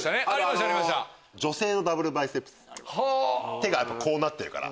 手がこうなってるから。